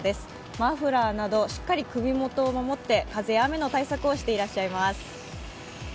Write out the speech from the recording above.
マフラーなどしっかり首元を守って、風、雨の対策をしていらっしゃいます。